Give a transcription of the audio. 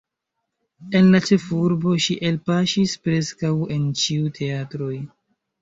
En la ĉefurbo ŝi elpaŝis preskaŭ en ĉiuj teatroj.